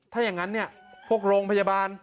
ถ้าอย่างนั้นเนี่ยพวกโรงพยาบาล